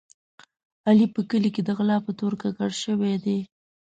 علي په کلي کې د غلا په تور ککړ شوی دی.